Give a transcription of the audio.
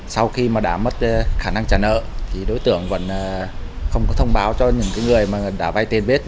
sau khi đã mất khả năng trả nợ đối tượng vẫn không có thông báo cho những người đã vay tiền biết